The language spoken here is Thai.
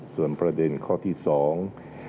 ส่วนประเด็นข้อที่สอง